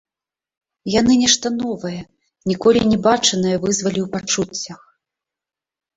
Яны нешта новае, ніколі не бачанае вызвалі ў пачуццях.